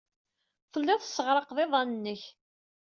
Telliḍ tesseɣraqeḍ iḍan-nnek.